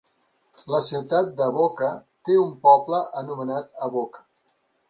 La Ciutat d'Avoca té un poble anomenat Avoca.